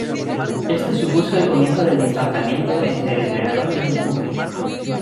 Esto supuso el comienzo del distanciamiento entre el entrenador y el púgil.